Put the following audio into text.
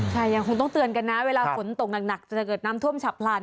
ใช่ยังคงต้องเตือนกันนะเวลาฝนตกหนักจะเกิดน้ำท่วมฉับพลัน